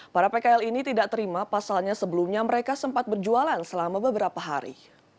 para pkl ini tidak terima pasalnya sebelumnya mereka sempat berjualan selama beberapa hari